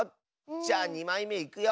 じゃあ２まいめいくよ。